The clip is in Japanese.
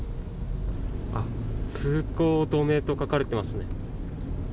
通行止めと書かれていますね。